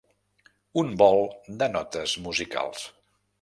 Un vol de notes musicals.